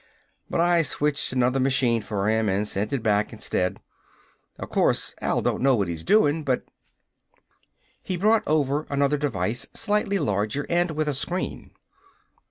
But I switched another machine for him and sent it back, instead. Of course, Al don't know what he's doing, but "He brought over another device, slightly larger and with a screen.